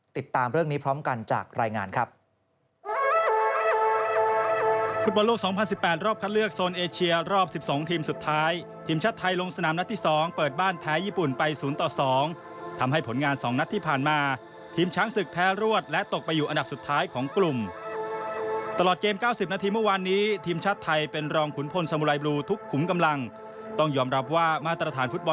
ติดตามเรื่องนี้พร้อมกันจากรายงานครับ